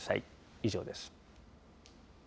以上です。